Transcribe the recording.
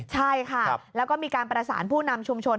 ใช่ค่ะแล้วก็มีการประสานผู้นำชุมชน